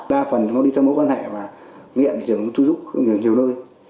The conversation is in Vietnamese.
đa phần nó đi theo mối quan hệ và miệng trường thu giúp nhiều nơi